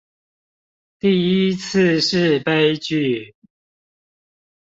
第一次是悲劇